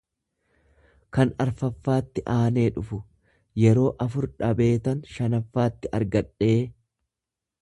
kan arfaffaatti aanee dhufu; Yeroo afur dhabeetan shanaffaatti argadhee.